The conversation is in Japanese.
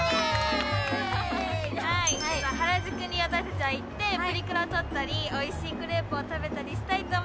原宿に私たちは行ってプリクラを撮ったりおいしいクレープを食べたりしたいと思います。